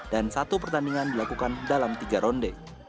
dan satu pertandingan dilakukan dalam tiga ronde